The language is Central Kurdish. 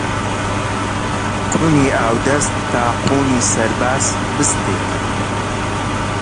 کونی ئاودەست تا قوونی سەرباز بستێکە